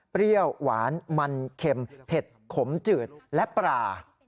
เปรี้ยวหวานมันเข็มเผ็ดขมจืดและปลา